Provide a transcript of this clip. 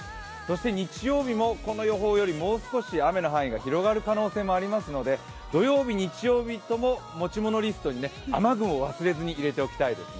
日曜日もこの予報より、もう少し雨の範囲が広がる可能性がありますので、土曜日、日曜日とも持ち物リストに雨具を入れておいてほしいですね。